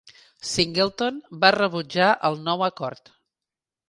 Singleton va rebutjar el nou acord.